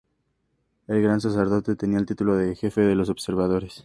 El gran sacerdote tenía el título de "Jefe de los observadores".